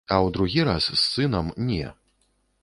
А ў другі раз, з сынам, не.